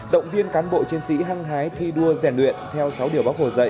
động viên cán bộ chiến sĩ hăng hái thi đua rèn luyện theo sáu điều bác hồ dạy